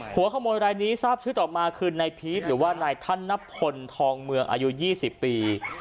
หัวขโมยรายนี้ทราบชื่อต่อมาคือนายพีชหรือว่านายท่านนพลทองเมืองอายุ๒๐ปี